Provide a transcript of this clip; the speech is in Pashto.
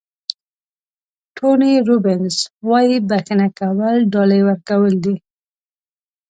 ټوني روبینز وایي بښنه کول ډالۍ ورکول دي.